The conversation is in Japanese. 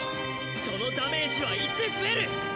そのダメージは１増える。